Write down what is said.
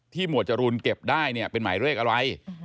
หมวดจรูนเก็บได้เนี่ยเป็นหมายเลขอะไร